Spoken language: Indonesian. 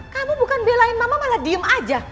kamu bukan belain mama malah diem aja